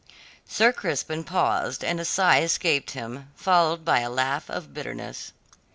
Sir Crispin paused and a sigh escaped him, followed by a laugh of bitterness.